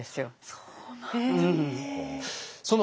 そうなんだ。